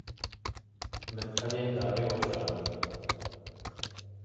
Min pelên darê weşandin.